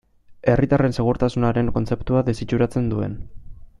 Herritarren segurtasunaren kontzeptua desitxuratzen duen.